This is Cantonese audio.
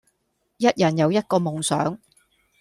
一人有一個夢想